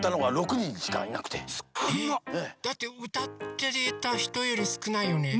だってうたってたひとよりすくないよね。